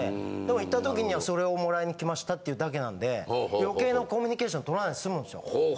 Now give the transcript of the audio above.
行った時にはそれをもらいに来ましたって言うだけなんで余計なコミュニケーション取らないで済むんですよ。